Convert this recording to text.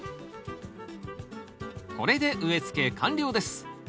これで植えつけ完了です。